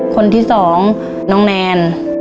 คนที่๒น้องแนน